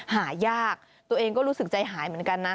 หายากตัวเองก็รู้สึกใจหายเหมือนกันนะ